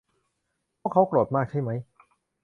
พวกเค้าโกรธมากใช่ไหม